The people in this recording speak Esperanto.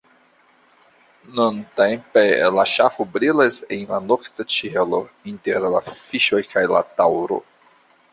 Nuntempe la ŝafo brilas en la nokta ĉielo inter la Fiŝoj kaj la Taŭro.